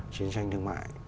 chiến tranh thương mại